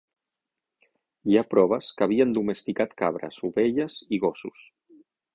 Hi ha proves que havien domesticat cabres, ovelles i gossos.